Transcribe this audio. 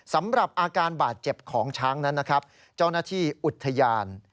สำหรับอาการบาดเจ็บของช้างนั้นนะครับเจ้าหน้าที่อุทยาน